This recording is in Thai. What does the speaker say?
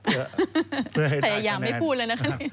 พยายามไม่พูดเลยนะคะ